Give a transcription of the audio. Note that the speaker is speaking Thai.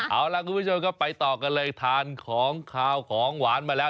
เอาล่ะคุณผู้ชมครับไปต่อกันเลยทานของขาวของหวานมาแล้ว